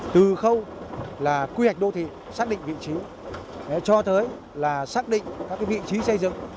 từ khâu là quy hoạch đô thị xác định vị trí cho tới là xác định các vị trí xây dựng